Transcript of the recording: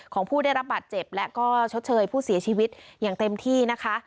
ของผู้ได้รับบาดเจ็บและก็ชดเชยผู้เสียชีวิตอย่างเต็มที่นะคะ